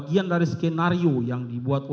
kita harus membuatnya